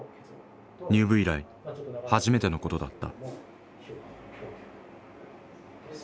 入部以来初めてのことだった。